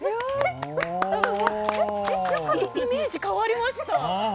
イメージ変わりました。